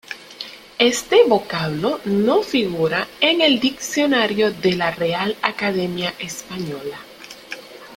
Este vocablo no figura en el Diccionario de la Real Academia Española.